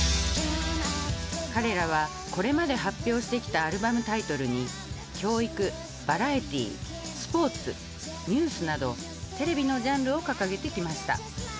彼らはこれまで発表してきたアルバムタイトルに教育バラエティースポーツニュースなどテレビのジャンルを掲げてきました。